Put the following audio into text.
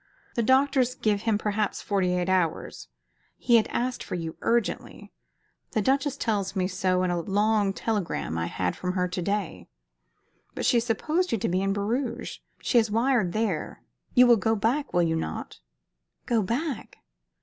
The doctors give him perhaps forty eight hours. He has asked for you urgently. The Duchess tells me so in a long telegram I had from her to day. But she supposed you to be in Bruges. She has wired there. You will go back, will you not?" "Go back?"